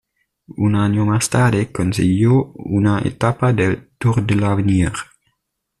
Un año más tarde consiguió una etapa del Tour de l'Avenir.